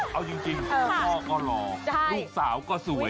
เอาจริงพ่อก็รอลูกสาวก็สวย